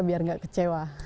biar gak kecewa